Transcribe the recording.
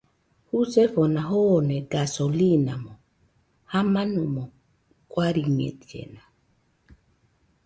Jusefona joone gasolimo jamanomo guariñellena